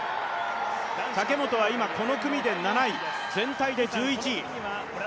武本は今、この組で７位全体で１１位。